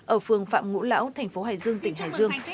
ở phường phạm ngũ lão tp hải dương tỉnh hải dương